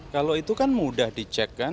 kalau itu kan mudah dicek kan